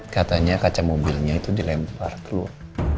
katanya kaca mobilnya itu dilempar keluar